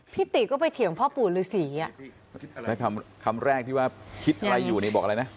ติก็ไปเถียงพ่อปู่ฤษีอ่ะแล้วคำคำแรกที่ว่าคิดอะไรอยู่เนี่ยบอกอะไรนะ